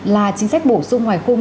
là chính sách bổ sung ngoài khung